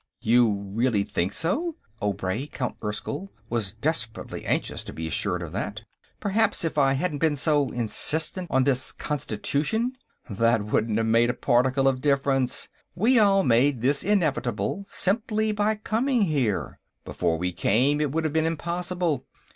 "You really think so?" Obray, Count Erskyll, was desperately anxious to be assured of that. "Perhaps if I hadn't been so insistent on this constitution...." "That wouldn't have made a particle of difference. We all made this inevitable simply by coming here. Before we came, it would have been impossible.